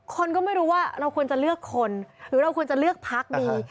คนก็ไม่รู้ว่าเราควรจะเลือกคนหรือเราควรจะเลือกพักดี